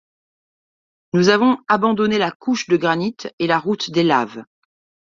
Nous avons abandonné la couche de granit et la route des laves.